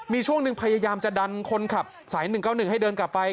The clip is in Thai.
มีช่วงหนึ่งพยายามจะดันคนขับสาย๑๙๑ให้เดินกลับไป